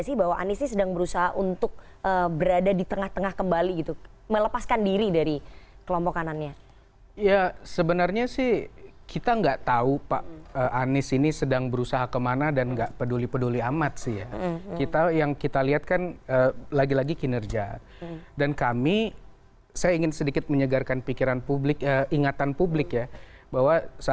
ya untuk naik kelas